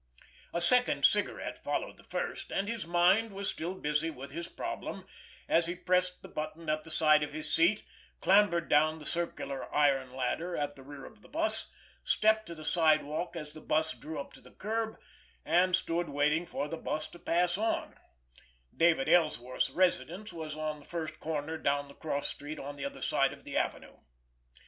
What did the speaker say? A second cigarette followed the first, and his mind was still busy with his problem, as he pressed the button at the side of his seat, clambered down the circular iron ladder at the rear of the bus, stepped to the sidewalk as the bus drew up to the curb, and stood waiting for the bus to pass on—David Ellsworth's residence was on the first corner down the cross street on the other side of the Avenue.